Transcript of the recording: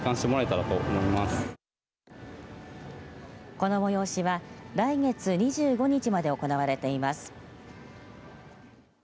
この催しは来月２５日まで行われています。